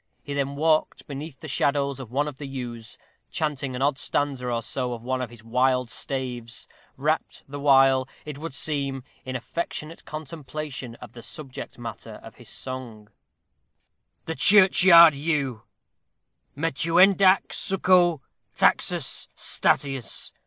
He then walked beneath the shadows of one of the yews, chanting an odd stanza or so of one of his wild staves, wrapped the while, it would seem, in affectionate contemplation of the subject matter of his song: THE CHURCHYARD YEW Metuendaque succo Taxus. STATIUS.